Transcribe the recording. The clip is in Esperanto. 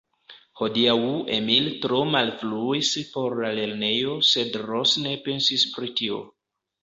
Hodiaŭ Emil tro malfruis por la lernejo, sed Ros ne pensis pri tio.